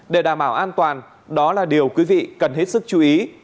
để đảm bảo an toàn đó là điều quý vị cần hết sức chú ý